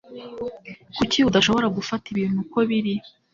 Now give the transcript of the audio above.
Kuki udashobora gufata ibintu uko biri?